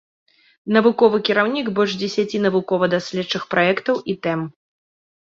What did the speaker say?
Навуковы кіраўнік больш дзесяці навукова-даследчых праектаў і тэм.